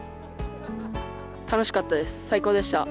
楽しかったです、最高でした。